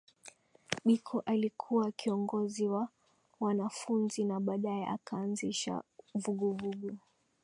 Biko alikuwa kiongozi wa wanafunzi na baadaye akaanzisha vuguvugu